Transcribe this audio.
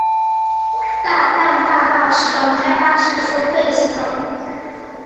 大淡大道使用开放式收费系统。